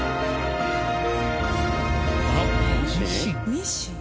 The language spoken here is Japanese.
ミシン？